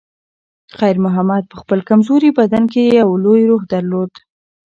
خیر محمد په خپل کمزوري بدن کې یو لوی روح درلود.